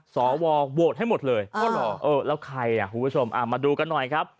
สวโหวตให้หมดเลยแล้วใครอ่ะคุณผู้ชมมาดูกันหน่อยครับ